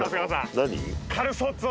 何？